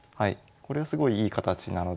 これはすごいいい形なので。